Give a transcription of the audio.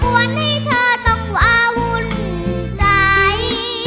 จะไม่รบกวนให้เธอต้องอาวุ่นใจ